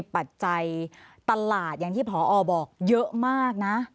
ปัจจัยตลาดอย่างที่พอบอกเยอะมากนะ